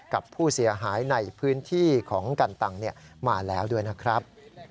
กับผู้เสียหายในพื้นที่ของกันตังมาแล้วด้วยนะครับ